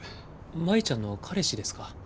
舞ちゃんの彼氏ですか。